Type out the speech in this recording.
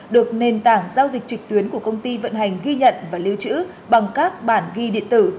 được nền tảng giao dịch trực tuyến của công ty vận hành ghi nhận và lưu trữ bằng các bản ghi điện tử